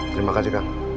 terima kasih kak